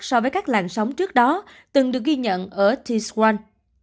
so với các làn sóng trước đó từng được ghi nhận ở t swan